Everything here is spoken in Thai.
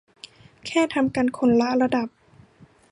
แค่ทำกันคนละระดับ